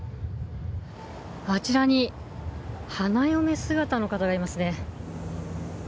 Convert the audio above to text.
あちらに花嫁姿の方がいます